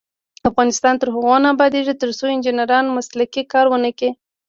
افغانستان تر هغو نه ابادیږي، ترڅو انجنیران مسلکي کار ونکړي.